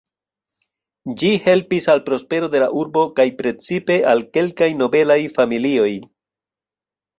Ĝi helpis al prospero de la urbo kaj precipe al kelkaj nobelaj familioj.